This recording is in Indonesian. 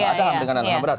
tidak ada ham dengan ham berat